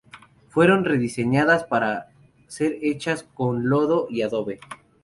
Fueron rediseñadas para ser hechas con lodo y adobe.